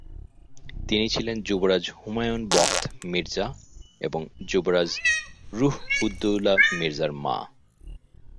তিনি ছিলেন যুবরাজ হুমায়ুন বখত মির্জা এবং যুবরাজ রুহ-উদ-দৌলা মির্জার মা।